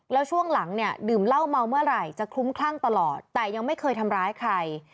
แล้วช่วงหลังเนี่ยดื่มเหล้าเมาเมื่อไหร่จะคลุ้มคลั่งตลอดแต่ยังไม่เคยทำร้ายใคร